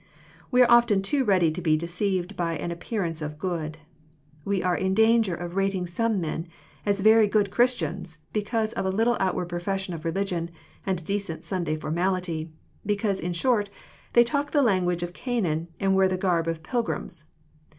We are often too ready to be deceived by an appearance of good. We are in danger of rating some men as very good Christians, because of a little outward profession of religion, and a decent Sunday formality, — ^because, in short, they talk the language of Canaan, and wear the garb of pilgrims.